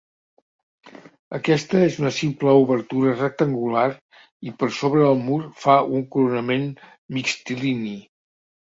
Aquesta és una simple obertura rectangular i per sobre el mur fa un coronament mixtilini.